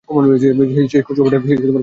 সেই খোঁজখবরটাই কীভাবে নেবো, ভাই?